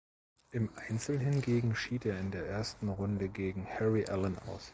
Im Einzel hingegen schied er in der ersten Runde gegen Harry Allen aus.